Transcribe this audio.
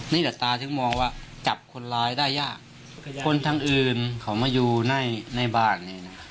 นี่แหละตาถึงมองว่าจับคนร้ายได้ยากคนทางอื่นเขามาอยู่ในบ้านนี่นะ